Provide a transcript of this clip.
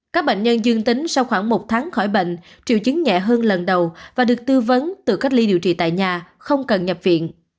các bệnh nhân dương tính sau khoảng một tháng khỏi bệnh triệu chứng nhẹ hơn lần đầu và được tư vấn từ cách ly điều trị tại nhà không cần nhập viện